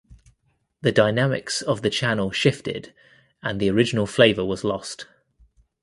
The dynamics of the channel shifted and the original flavor was lost.